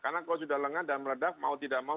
karena kalau sudah lengah dan meledak mau tidak mau